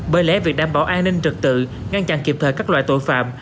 bởi lẽ việc đảm bảo an ninh trật tự ngăn chặn kịp thời các loại tội phạm